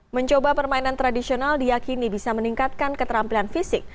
mencoba permainan tradisional diakini bisa meningkatkan keterampilan fisik